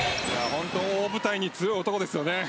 大舞台に強い男ですよね。